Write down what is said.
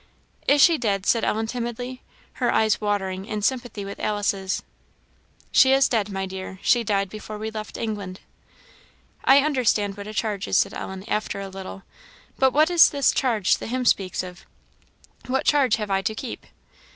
"Is she dead?" said Ellen, timidly, her eyes watering in sympathy with Alice's. "She is dead, my dear; she died before we left England." "I understand what a charge is," said Ellen, after a little; "but what is this charge the hymn speaks of? What charge have I to keep?"